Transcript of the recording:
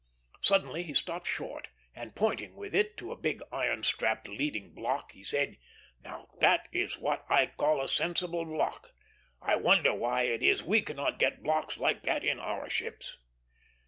Suddenly he stopped short, and pointing with it to a big iron strapped leading block, he said, "Now that is what I call a sensible block; I wonder why it is we cannot get blocks like that in our ships."